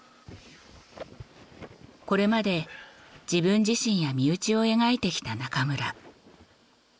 これまで自分自身や身内を描いてきた中村。